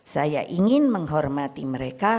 saya ingin menghormati mereka